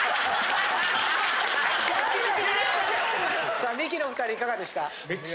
さあミキのお２人いかがでした？